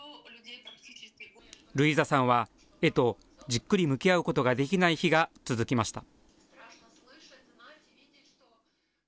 ルイーザさんは、絵とじっくり向き合うことができない日が続きました。